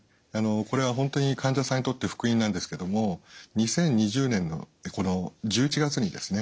これは本当に患者さんにとって福音なんですけども２０２０年の１１月にですね